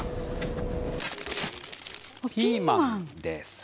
ピーマンです。